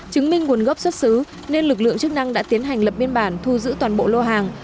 chứng minh nguồn gốc xuất xứ nên lực lượng chức năng đã tiến hành lập biên bản thu giữ toàn bộ lô hàng